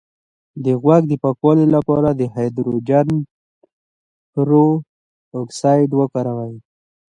د غوږ د پاکوالي لپاره د هایدروجن پر اکسایډ وکاروئ